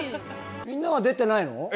みんなは出てないの？